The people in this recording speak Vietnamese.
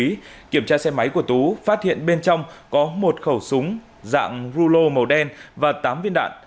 khi kiểm tra xe máy của tú phát hiện bên trong có một khẩu súng dạng rulo màu đen và tám viên đạn